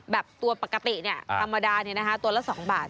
แบบตัวปกตินี่ธรรมดานี่นะคะตัวละ๒บาท